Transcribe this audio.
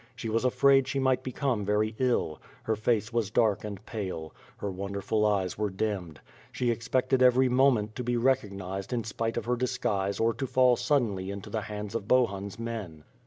She was afraid she might become very ill. Her face was dark and pale. Her wonderful eyes were dimmed. She expected every moment to be recognized in spite of her disguise or to fall suddenly into the hands of Bohun's men.